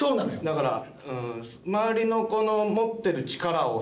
だから。